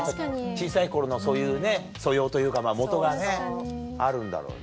小さい頃のそういうね素養というかもとがあるんだろうね。